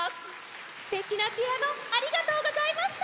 すてきなピアノありがとうございました！